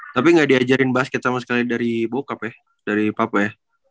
tapi gak diajarin basket sama sekali dari bokap ya dari papa ya